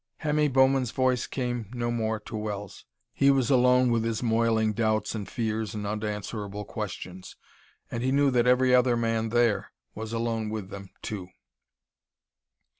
Hemmy Bowman's voice came no more to Wells. He was alone with his moiling doubts and fears and unanswerable questions, and he knew that every other man there was alone with them, too....